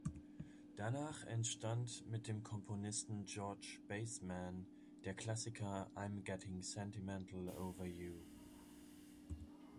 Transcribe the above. Danach entstand mit dem Komponisten George Bassman der Klassiker "I’m Getting Sentimental Over You".